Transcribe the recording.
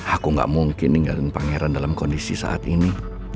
aku gak mungkin ninggalin pangeran dalam kondisi saat ini